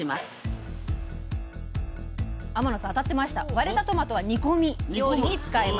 割れたトマトは煮込み料理に使います。